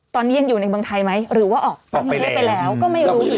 ตอนนี้ยังอยู่ในเมืองไทยมั้ยหรือว่าออกไปเลย